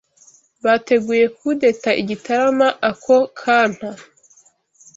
bateguye kudeta i Gitarama ako kanta